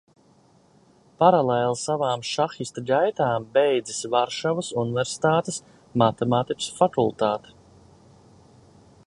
Paralēli savām šahista gaitām beidzis Varšavas universitātes matemātikas fakultāti.